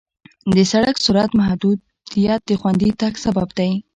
د سړک سرعت محدودیت د خوندي تګ سبب دی.